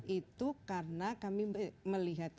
itu karena kami melihat